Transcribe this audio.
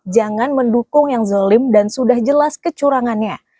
jangan mendukung yang zolim dan sudah jelas kecurangannya